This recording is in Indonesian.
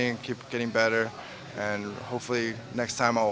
jadi saya terus berlatih terus menjadi lebih baik